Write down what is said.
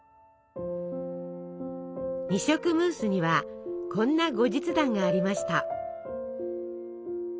二色ムースにはこんな後日談がありました。